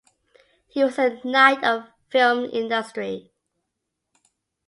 He was an knight of film industry.